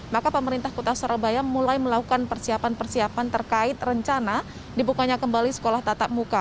maka pemerintah kota surabaya mulai melakukan persiapan persiapan terkait rencana dibukanya kembali sekolah tatap muka